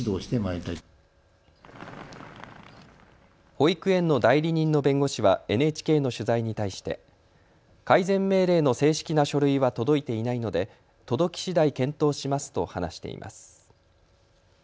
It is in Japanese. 保育園の代理人の弁護士はＮＨＫの取材に対して改善命令の正式な書類は届いていないので届きしだい検討しますと話しています。